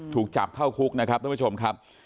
ถูกจับเข้าคุกนะครับท่านผู้ชมครับ